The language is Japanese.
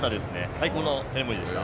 最高のセレモニーでした。